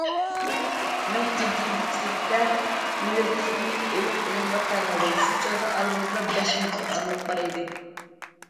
مەن جىددىيچىلىكتە مىلتىقنى ئېلىپ ئۇنىڭغا تەڭلىدىم، شۇ چاغدا ئارىمىزدا بەش مېتىر ئارىلىق بار ئىدى.